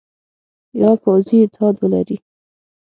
یوه پوځي اتحاد ولري.